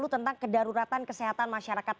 tentang kedaruratan kesehatan masyarakat